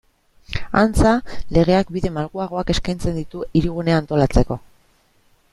Antza, legeak bide malguagoak eskaintzen ditu Hirigunea antolatzeko.